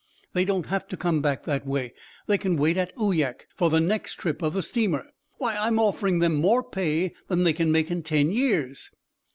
"They don't have to come back that way; they can wait at Uyak for the next trip of the steamer. Why, I'm offering them more pay than they can make in ten years."